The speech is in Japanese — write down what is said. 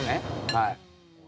◆はい。